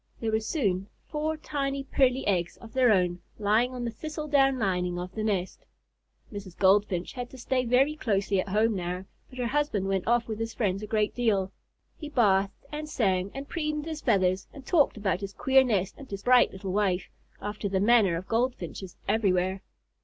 there were soon four tiny, pearly eggs of their own lying on the thistle down lining of the nest. Mrs. Goldfinch had to stay very closely at home now, but her husband went off with his friends a great deal. He bathed and sang and preened his feathers and talked about his queer nest and his bright little wife, after the manner of Goldfinches everywhere.